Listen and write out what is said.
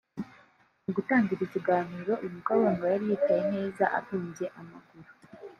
Mu gutangira ikiganiro uyu mukobwa ngo yari yicaye neza abubye amaguru